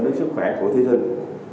đến sức khỏe của thí sinh